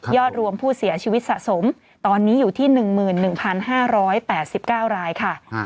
รวมผู้เสียชีวิตสะสมตอนนี้อยู่ที่๑๑๕๘๙รายค่ะ